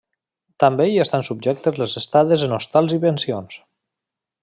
També hi estan subjectes les estades en hostals i pensions.